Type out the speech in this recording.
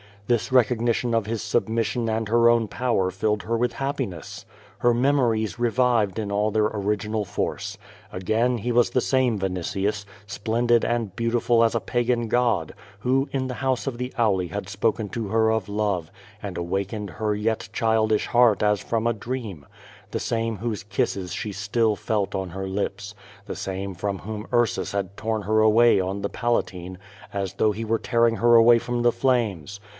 This recognition of his submission and her own power filled her with happiness. Her memories re vived in all their original force. Again he was the same Vinitius — ^splendid and beautiful as a Pagan god — who in the house of the Auli had spoken to her of love, and awaken ed her 3^et childish heart as from a dream, the same whose kisses she still felt on her lips, the same from whom Ursus had torn her away on the Palatine, as though he were tear ing her away from the flames.